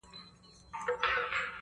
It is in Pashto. شاوخوا پر حجره یې لکه مار وګرځېدمه!.